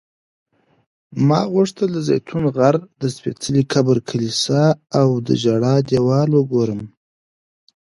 ما غوښتل د زیتون غر، د سپېڅلي قبر کلیسا او د ژړا دیوال وګورم.